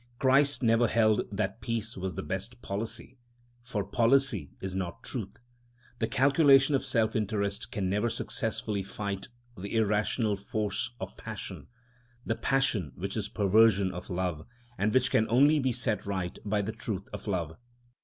Christ never held that peace was the best policy. For policy is not truth. The calculation of self interest can never successfully fight the irrational force of passion—the passion which is perversion of love, and which can only be set right by the truth of love.